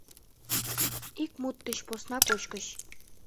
Ик мут деч посна кочкыч.